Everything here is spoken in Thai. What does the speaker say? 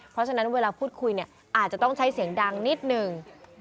เพราะฉะนั้นเวลาพูดคุยเนี่ยอาจจะต้องใช้เสียงดังนิดหนึ่ง